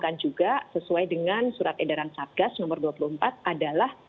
yang juga sesuai dengan surat edaran satgas nomor dua puluh empat adalah